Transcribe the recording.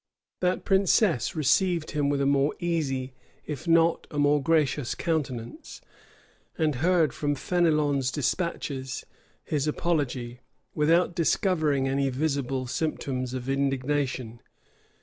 522, That princess received him with a more easy, if not a more gracious countenance; and heard from Fenelon's Despatches, his apology, without discovering any visible symptoms of indignation.